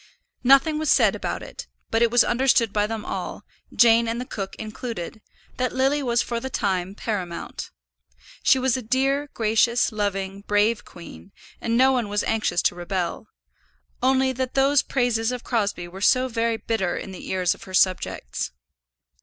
Nothing was said about it; but it was understood by them all, Jane and the cook included, that Lily was for the time paramount. She was a dear, gracious, loving, brave queen, and no one was anxious to rebel; only that those praises of Crosbie were so very bitter in the ears of her subjects.